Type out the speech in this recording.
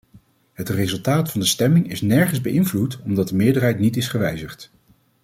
Het resultaat van de stemming is nergens beïnvloed omdat de meerderheid niet is gewijzigd.